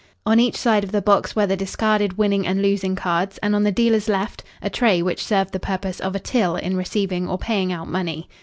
On each side of the box were the discarded winning and losing cards, and on the dealer's left a tray which served the purpose of a till in receiving or paying out money.